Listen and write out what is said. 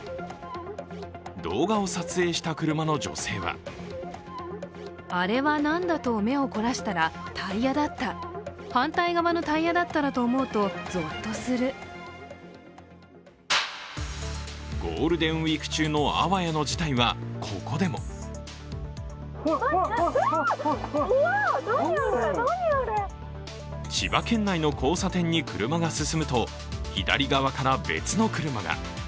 動画を撮影した車の女性はゴールデンウイーク中のあわやの事態はここでも千葉県内の交差点に車が進むと、左側から別の車が。